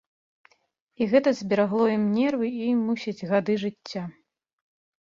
І гэта зберагло ім нервы і, мусіць, гады жыцця.